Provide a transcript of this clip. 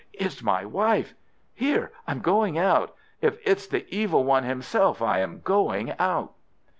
"It's my wife! Here, I'm going out. If it's the Evil One himself I am going out!"